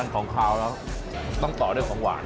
ของขาวแล้วต้องต่อด้วยของหวาน